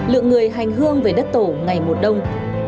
lượng người hành hương về đất tổ ngày một đông